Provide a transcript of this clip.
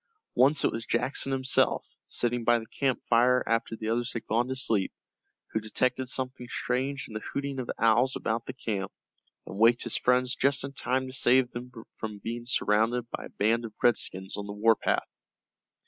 Once it was Jackson himself, sitting by the camp fire after the others had gone to sleep, who detected something strange in the hooting of owls about the camp, and waked his friends just in time to save them from being surrounded by a band of redskins on the war path.